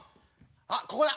あっここだ。